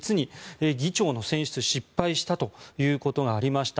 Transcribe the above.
議長の選出に失敗したということがありました。